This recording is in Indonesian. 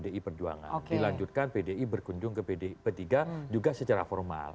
dilanjutkan pdi berkunjung ke p tiga juga secara formal